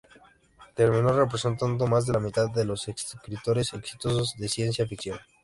Terminó "representando más de la mitad de de los escritores exitosos de ciencia ficción".